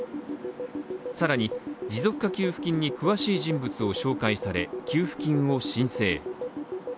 更に持続化給付金に詳しい人物を紹介され給付金を申請。